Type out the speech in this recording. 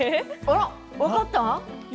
あら！分かった？